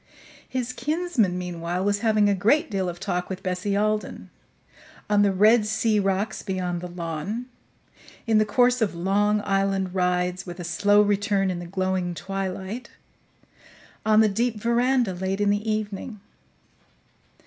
His kinsman, meanwhile, was having a great deal of talk with Bessie Alden on the red sea rocks beyond the lawn; in the course of long island rides, with a slow return in the glowing twilight; on the deep veranda late in the evening.